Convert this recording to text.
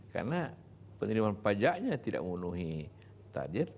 karena penerimaan pajaknya tidak mengunuhi target